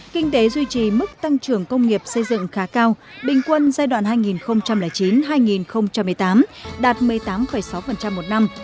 kinh tế duy trì mức tăng trưởng công nghiệp xây dựng khá cao bình quân giai đoạn hai nghìn chín hai nghìn một mươi tám đạt một mươi tám sáu một năm